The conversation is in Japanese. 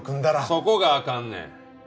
そこがあかんねん。